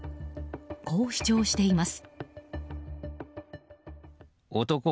こう主張しています。